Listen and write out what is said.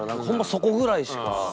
そこぐらいしか。